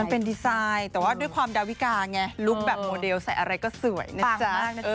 เป็นดีไซน์แต่ว่าด้วยความดาวิกาไงลุคแบบโมเดลใส่อะไรก็สวยนะจ๊ะ